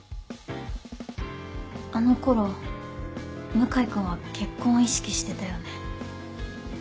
あの頃向井君は結婚を意識してたよね？